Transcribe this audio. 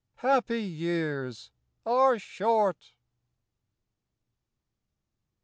Happy years are short.